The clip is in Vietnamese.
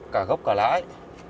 cả gốc cả lãi